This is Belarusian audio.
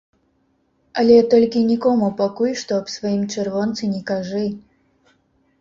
Але толькі нікому пакуль што аб сваім чырвонцы не кажы.